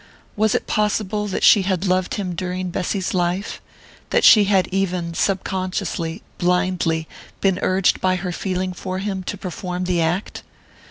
Was it possible that she had loved him during Bessy's life that she had even, sub consciously, blindly, been urged by her feeling for him to perform the act?